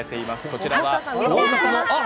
こちらは。